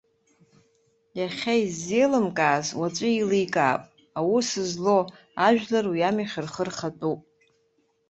Иахьа иззеилымкааз уаҵәы еиликаап, аус злоу, ажәлар уи амҩахь рхы рхатәуп!